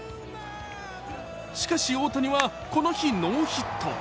しかし大谷はこの日、ノーヒット。